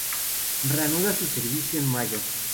Reanuda su servicio en mayo.